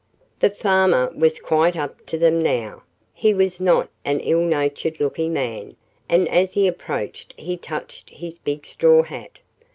The farmer was quite up to them now. He was not an ill natured looking man, and as he approached he touched his big straw hat.